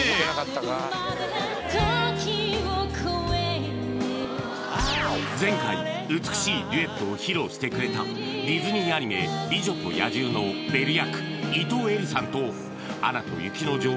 時をこえ前回美しいデュエットを披露してくれたディズニーアニメ「美女と野獣」のベル役伊東えりさんと「アナと雪の女王」